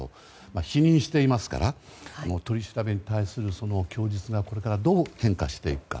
否認していますから取り調べに対する供述がこれからどう変化していくか。